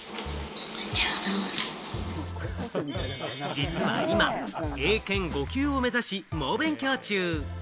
実は今、英検５級を目指し、猛勉強中。